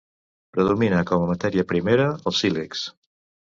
Predomina com a matèria primera el sílex.